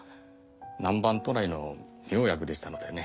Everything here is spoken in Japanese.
南蛮渡来の妙薬でしたのでね。